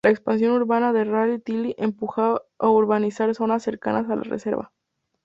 La expansión urbana de Rada Tilly empujó a urbanizar zonas cercanas a la reserva.